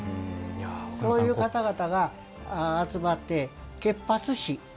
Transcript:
こういう方々が集まって結髪師。